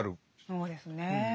そうですね。